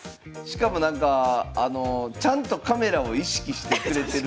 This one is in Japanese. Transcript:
しかもなんかちゃんとカメラを意識してくれてるし。